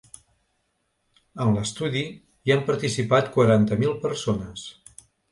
En l’estudi hi han participat quaranta mil persones.